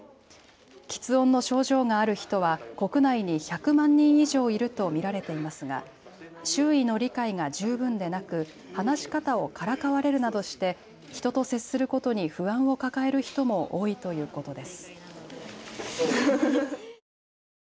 きつ音の症状がある人は国内に１００万人以上いると見られていますが周囲の理解が十分でなく話し方をからかわれるなどして人と接することに不安を抱える人も多いということです。